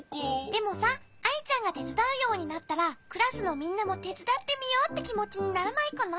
でもさアイちゃんがてつだうようになったらクラスのみんなもてつだってみようってきもちにならないかな？